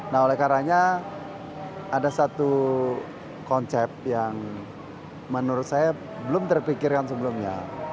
nah oleh karanya ada satu konsep yang menurut saya belum terpikirkan sebelumnya